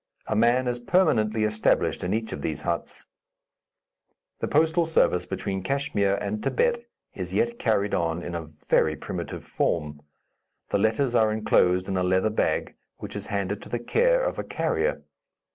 A man is permanently established in each of these huts. The postal service between Kachmyr and Thibet is yet carried on in a very primitive form. The letters are enclosed in a leather bag, which is handed to the care of a carrier.